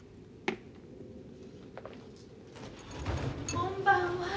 ・こんばんは。